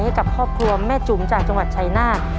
ให้กับครอบครัวแม่จุ๋มจากจังหวัดชายนาฏ